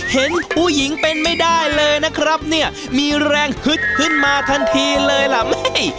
เห็นผู้หญิงเป็นไม่ได้เลยนะครับเนี่ยมีแรงฮึดขึ้นมาทันทีเลยล่ะไม่